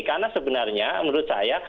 karena sebenarnya menurut saya